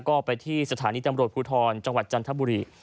ก็ไปที่สถานีตำรวจภูทรจังหวัดจันทบุรี